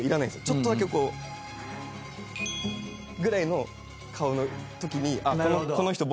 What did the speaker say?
ちょっとだけこう。ぐらいの顔のときに。